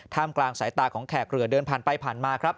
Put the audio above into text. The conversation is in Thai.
กลางสายตาของแขกเรือเดินผ่านไปผ่านมาครับ